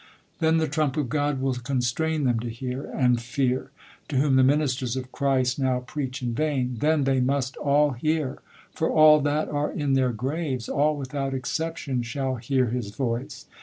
Then the trump of God will constrain them to hear and fear, to whom the ministers of Christ now preach in vain. Then they must all hear ; for, " all that are in their graves," all without exception, " shall hear his voice."